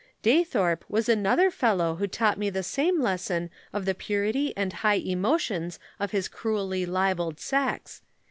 "Daythorpe was another fellow who taught me the same lesson of the purity and high emotions of his cruelly libelled sex.